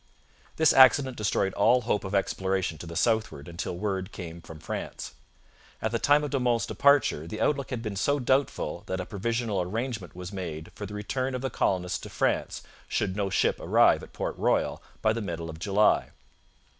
This accident destroyed all hope of exploration to the southward until word came from France. At the time of De Monts' departure the outlook had been so doubtful that a provisional arrangement was made for the return of the colonists to France should no ship arrive at Port Royal by the middle of July.